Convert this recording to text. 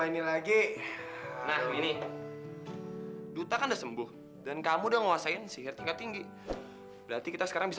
mau ada pinter saya beri jemput kita ke sini